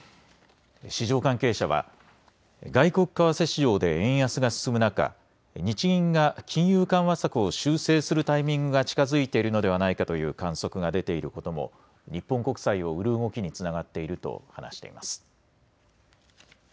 市場関係者は外国為替市場で円安が進む中、日銀が金融緩和策を修正するタイミングが近づいているのではないかという観測が出ていることも日本国債を売る動きにつながっていると話しています。